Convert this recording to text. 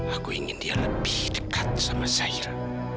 aku ingin dia lebih dekat sama saya